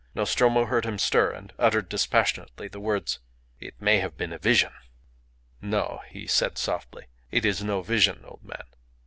Nostromo heard him stir and utter dispassionately the words "It may have been a vision." "No," he said, softly. "It is no vision, old man."